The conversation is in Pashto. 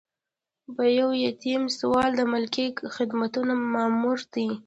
یو ایاتیام سوال د ملکي خدمتونو مامور دی.